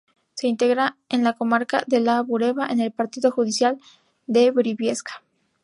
Se integra en la comarca de La Bureba, en el partido judicial de Briviesca.